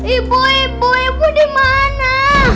ibu ibu di mana